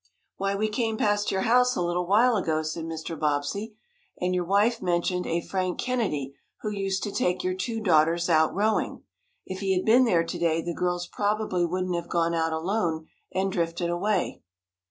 "Why, we came past your house a little while ago," said Mr. Bobbsey, "and your wife mentioned a Frank Kennedy who used to take your two daughters out rowing. If he had been there to day the girls probably wouldn't have gone out alone, and drifted away."